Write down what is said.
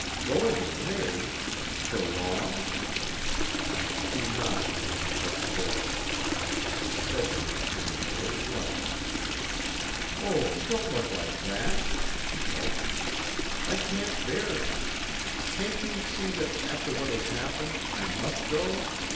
"Going away! For long?" She nodded with compressed lips. Sedgwick turned very white. "Oh, don't look like that!" she faltered. "I can't bear it! Can't you see that, after what has happened, I must go?